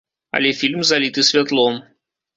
Але фільм заліты святлом.